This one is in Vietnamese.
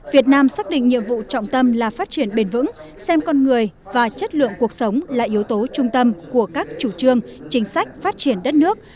việt nam xác định nhiệm vụ trọng tâm là phát triển bền vững xem con người và chất lượng cuộc sống là yếu tố trung tâm của các chủ trương chính sách phát triển đất nước